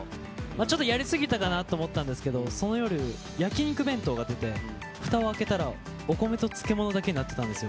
ちょっとやり過ぎたかなと思ったんですけど、その夜、焼き肉弁当が出て、ふたを開けたら、お米と漬物だけになっていたんですよ。